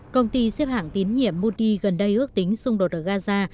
công ty xếp hãng tín nhiệm modi gần đây ước tính xung đột ở gaza